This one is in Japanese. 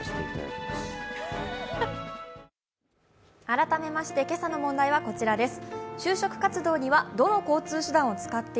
改めまして今朝の問題はこちらです。